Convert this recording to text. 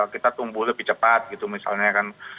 kita tumbuh lebih cepat gitu misalnya kan